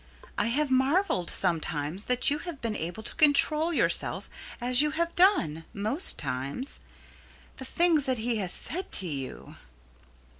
I have marvelled sometimes that you have been able to control yourself as you have done, most times; the things that he has said to you."